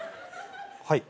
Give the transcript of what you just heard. はい。